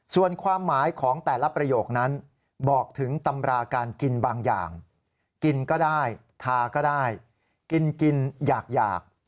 ส่วนความหมายของแต่ละประโยคนั้นบอกถึงตำราการกินบางอย่างกินก็ได้ทาก็ได้กินกินอยาก